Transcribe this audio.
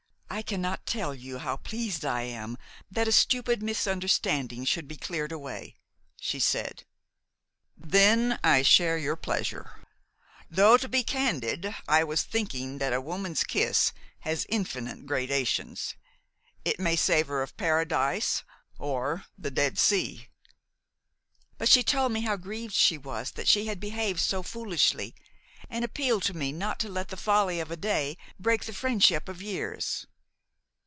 "I cannot tell you how pleased I am that a stupid misunderstanding should be cleared away!" she said. "Then I share your pleasure, though, to be candid, I was thinking that a woman's kiss has infinite gradations. It may savor of Paradise or the Dead Sea." "But she told me how grieved she was that she had behaved so foolishly, and appealed to me not to let the folly of a day break the friendship of years."